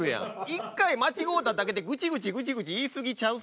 一回間違うただけでグチグチグチグチ言い過ぎちゃう？